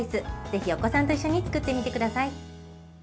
ぜひお子さんと一緒に作ってみてください。